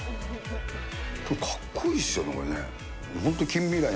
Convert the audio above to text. かっこいいですよね、これね。